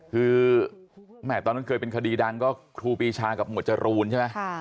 คือแม่ตอนนั้นเคยเป็นคดีดังก็ครูปีชากับหมวดจรูนใช่ไหม